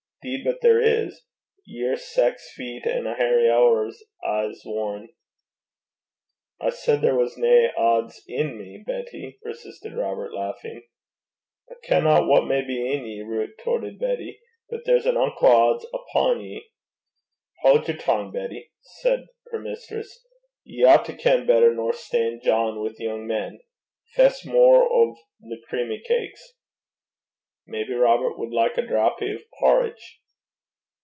''Deed but there is. Ye're sax feet an' a hairy ower, I s' warran'.' 'I said there was nae odds i' me, Betty,' persisted Robert, laughing. 'I kenna what may be in ye,' retorted Betty; 'but there's an unco' odds upo' ye.' 'Haud yer tongue, Betty,' said her mistress. 'Ye oucht to ken better nor stan' jawin' wi' young men. Fess mair o' the creamy cakes.' 'Maybe Robert wad like a drappy o' parritch.'